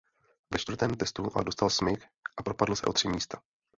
Ve čtvrtém testu ale dostal smyk a propadl se o tři místa.